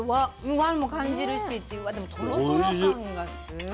和も感じるしっていうでもトロトロ感がすごい。